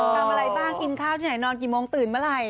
ทำอะไรบ้างกินข้าวที่ไหนนอนกี่โมงตื่นเมื่อไหร่